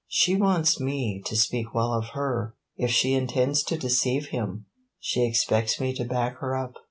She wants me to speak well of her; if she intends to deceive him she expects me to back her up.